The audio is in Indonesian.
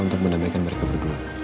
untuk mendamaikan mereka berdua